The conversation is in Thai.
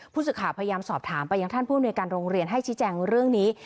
ผู้สึกค้าพยายามสอบถามไปอย่างท่านผู้นวยการโรงเรียนให้ใช้แจ้งเรื่องนี้